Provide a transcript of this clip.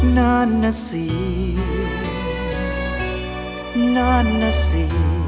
นานนะสินานนะสิ